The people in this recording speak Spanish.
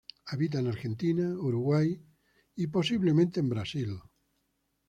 Habita en Argentina, Uruguay y posiblemente en Brasil.